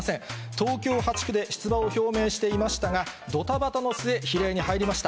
東京８区で出馬を表明していましたが、どたばたの末、比例に入りました。